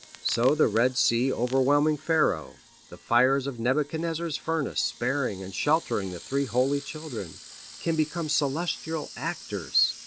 So the Red Sea overwhelming Pharaoh, the fires of Nebuchadnezzar's furnace sparing and sheltering the three holy children, can become celestial actors.